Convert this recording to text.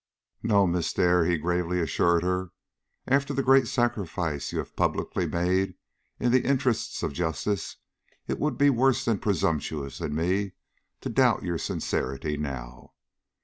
"No, Miss Dare," he gravely assured her. "After the great sacrifice you have publicly made in the interests of justice, it would be worse than presumptuous in me to doubt your sincerity now."